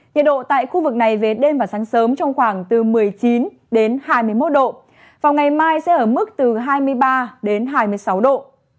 nhiệt độ tại khu vực này về đêm và sáng sớm trong khoảng từ một mươi chín đến hai mươi một độ vào ngày mai sẽ ở mức từ hai mươi ba đến hai mươi sáu độ